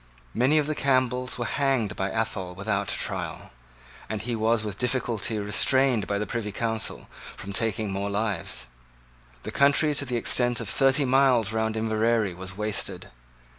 Many of the Campbells were hanged by Athol without a trial; and he was with difficulty restrained by the Privy Council from taking more lives. The country to the extent of thirty miles round Inverary was wasted.